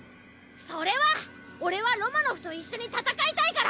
それは俺はロマノフと一緒に戦いたいから！